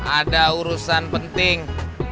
ada urusan penting